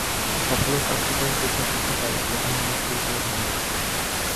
সফল ও কার্যকর কূটনীতিই পারে এ ধরনের ভুলগুলো ভেঙে দিতে।